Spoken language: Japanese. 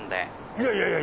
いやいやいや！